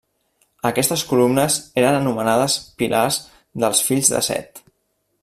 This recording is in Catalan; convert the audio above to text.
Aquestes columnes eren anomenades Pilars dels fills de Set.